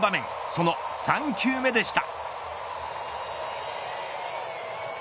その３球目でした。